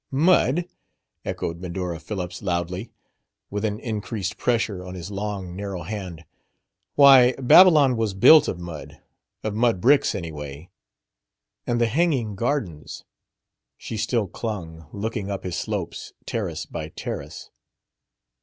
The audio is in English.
"Mud!" echoed Medora Phillips loudly, with an increased pressure on his long, narrow hand. "Why, Babylon was built of mud of mud bricks, anyway. And the Hanging Gardens...!" She still clung, looking up his slopes terrace by terrace.